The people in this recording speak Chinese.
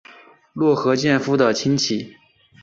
落合建夫的亲戚。